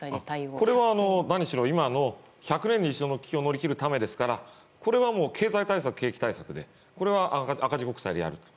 これはなにしろ今の１００年に一度の危機を乗り切るためですからこれは経済対策、景気対策で赤字国債でやると。